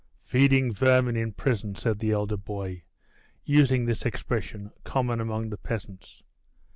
"Feeding vermin in prison," said the elder boy, using this expression, common among the peasants.